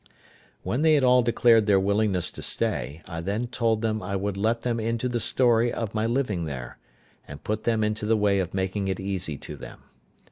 When they had all declared their willingness to stay, I then told them I would let them into the story of my living there, and put them into the way of making it easy to them.